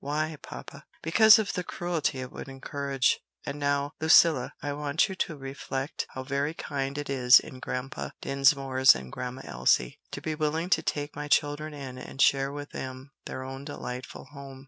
"Why, papa?" "Because of the cruelty it would encourage. And now, Lucilla, I want you to reflect how very kind it is in Grandpa Dinsmore and Grandma Elsie to be willing to take my children in and share with them their own delightful home.